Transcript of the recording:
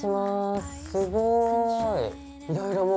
すごい！